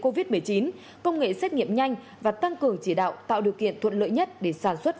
covid một mươi chín công nghệ xét nghiệm nhanh và tăng cường chỉ đạo tạo điều kiện thuận lợi nhất để sản xuất